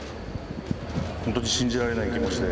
本当に信じられない気持ちで。